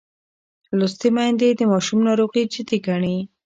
لوستې میندې د ماشوم ناروغي جدي ګڼي.